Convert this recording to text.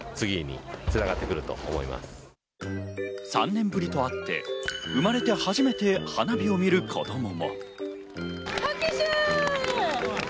３年ぶりとあって、生まれて初めて花火を見る子供も。